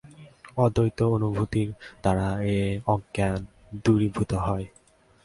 অদ্বৈত অনুভূতির দ্বারা এই অজ্ঞান দূরীভূত হয়।